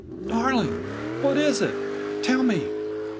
"Darling, what is it? _Tell me!